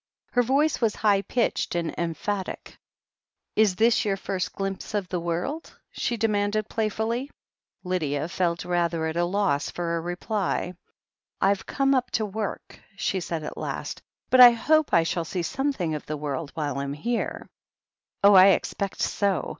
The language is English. Her voice was high pitched and emphatic. "Is this your first glimpse of the world?" she de manded playfully. Lydia felt rather at a loss for a reply. "I've come up to work," she said at last. "But I hope I shall see something of the world while I'm here." "Oh, I expect so.